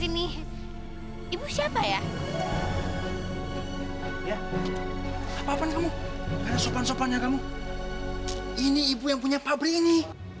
ini ibu yang punya pabrik ini